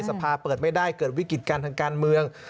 สภาเปิดไม่ได้เกิดวิกฤติการทางการเมือง